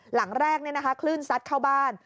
หลังแรกเนี่ยนะคะคลื่นซัดเข้าบ้าน